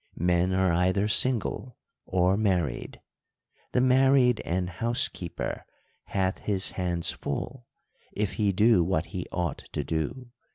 Men are either single, or married. The married and house keeper hath his hands full, if he do what he ought to do.